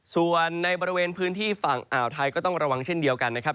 ส่วนในบริเวณพื้นที่ฝั่งอ่าวไทยก็ต้องระวังเช่นเดียวกันนะครับ